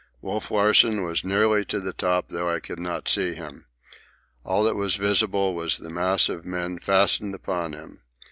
Wolf Larsen was nearly to the top, though I could not see him. All that was visible was the mass of men fastened upon him.